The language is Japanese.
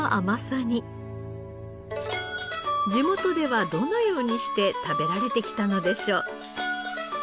地元ではどのようにして食べられてきたのでしょう？